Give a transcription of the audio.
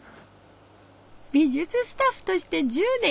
美術スタッフとして１０年。